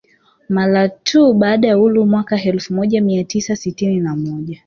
Mara tu baada ya uhuru mwaka elfu moja mia tisa sitini na moja